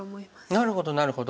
なるほどなるほど。